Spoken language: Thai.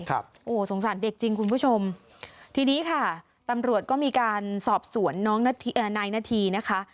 โอ้โหสงสารเด็กจริงคุณผู้ชมทีนี้ค่ะตำรวจก็มีการสอบสวนน้องนายนาธีนะคะ